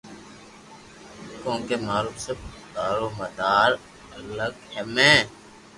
ڪونڪہ مارو سب دارو مدار اڪگ ھھي